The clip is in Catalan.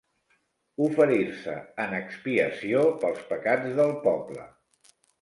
Oferir-se en expiació pels pecats del poble.